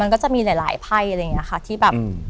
มันก็จะมีหลายไพ่อะไรอย่างนี้ค่ะที่แบบ